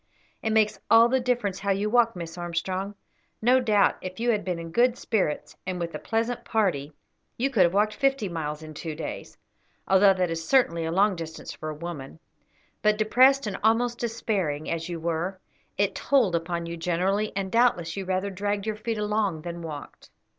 "It makes all the difference how you walk, Miss Armstrong. No doubt, if you had been in good spirits, and with a pleasant party, you could have walked fifty miles in two days, although that is certainly a long distance for a woman; but depressed and almost despairing, as you were, it told upon you generally, and doubtless you rather dragged your feet along than walked."